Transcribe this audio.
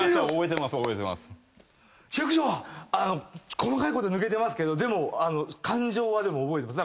細かいことは抜けてますけどでも感情は覚えてます。